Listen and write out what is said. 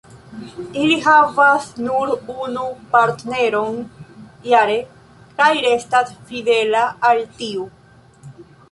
Ili havas nur unu partneron jare, kaj restas fidela al tiu.